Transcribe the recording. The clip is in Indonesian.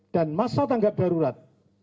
dan masa tanggap darurat